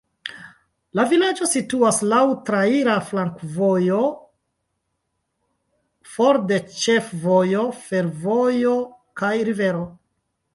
La vilaĝo situas laŭ traira flankovojo, for de ĉefvojo, fervojo kaj rivero.